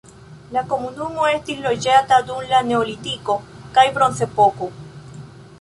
La komunumo estis loĝata dum la neolitiko kaj bronzepoko.